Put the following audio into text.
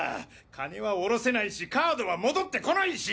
金はおろせないしカードは戻ってこないし！